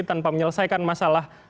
tanpa menyelesaikan masalah